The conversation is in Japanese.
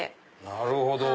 なるほど。